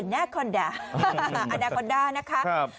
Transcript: อนาควันด้าอนาควันด้านะคะครับ